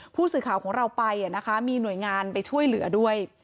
ผู้สื่อข่าวของเราไปมีหน่วยงานไปช่วยเหลือด้วย